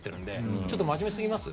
ちょっとまじめすぎます？